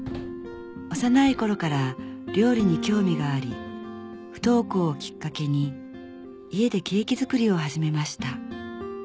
幼い頃から料理に興味があり不登校をきっかけに家でケーキ作りを始めました